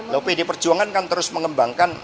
lopi di perjuangan kan terus mengembangkan